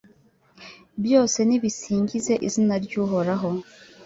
Byose nibisingize izina ry’Uhoraho